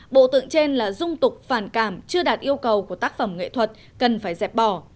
bộ tượng trên là dung tục phản cảm chưa đạt yêu cầu của tác phẩm nghệ thuật cần phải dẹp bỏ